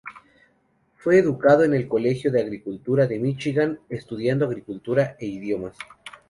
Fue educado en el Colegio de Agricultura de Michigan estudiando agricultura e idiomas.